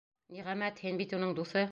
Ниғәмәт, һин бит уның дуҫы!